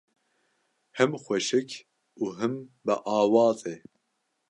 Him xweşik û him biawaz e.